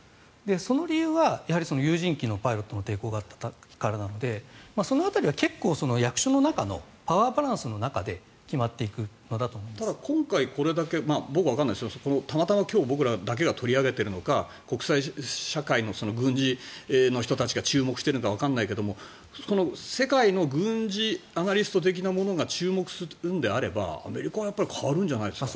その理由は有人機のパイロットの抵抗があったからなのでその辺りは結構役所の中のパワーバランスの中でただ今回僕はわからないですがたまたま今日、僕らが取り上げているのか国際社会の軍人の人が注目してるのかわからないけど世界の軍事アナリスト的なものが注目するのであれば、アメリカは変わるんじゃないですか。